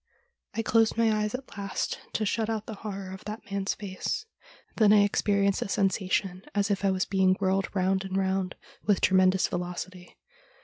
I closed my eyes at last to shut out the horror of that man's face ; then I experienced a sensa tion as if I was being whirled round and round with tremen dous velocity.